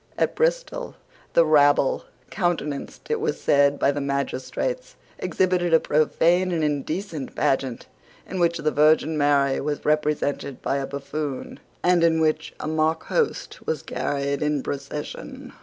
At Bristol the rabble, countenanced, it was said, by the magistrates, exhibited a profane and indecent pageant, in which the Virgin Mary was represented by a buffoon, and in which a mock host was carried in procession.